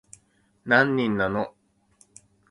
何人なの